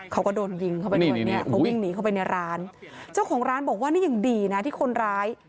เขาก็โดนยิงเข้าไปในร้านเจ้าของร้านบอกว่านี่อย่างดีนะที่คนร้าย